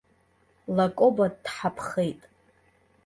Лакоба дҳаԥхеит.